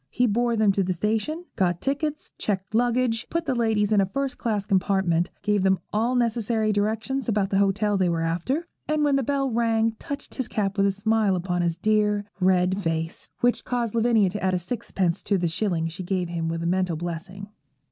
He bore them to the station, got tickets, checked luggage, put the ladies in a first class compartment, gave them all necessary directions about the hotel they were after, and when the bell rang touched his cap with a smile upon his dear, red face, which caused Lavinia to add a sixpence to the shilling she gave him with a mental blessing.